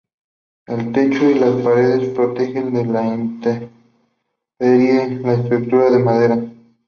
El techo y las paredes protegen de la intemperie la estructura de madera.